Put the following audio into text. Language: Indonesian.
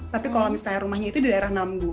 tapi kalau misalnya rumahnya itu di daerah nambu